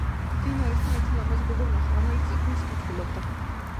მდინარესთან ერთი ლამაზი გოგო ვნახე რომელიც წიგნს კითხულობდა